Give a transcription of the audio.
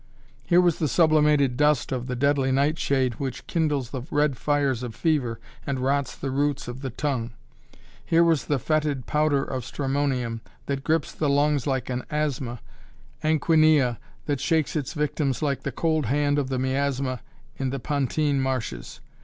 Here was the sublimated dust of the deadly night shade which kindles the red fires of fever and rots the roots of the tongue. Here was the fetid powder of stramonium that grips the lungs like an asthma, and quinia that shakes its victims like the cold hand of the miasma in the Pontine Marshes.